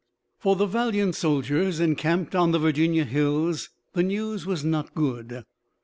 For the valiant soldiers encamped on the Virginia hills the news was not good.